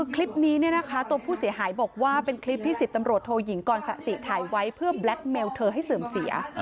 คลิปนี้เนี่ยนะคะตัวผู้เสียหายบอกว่าเป็นคลิปที่๑๐ตำรวจโทยิงกรสะสิถ่ายไว้เพื่อแบล็คเมลเธอให้เสื่อมเสีย